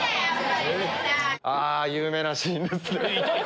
有名なシーンですね。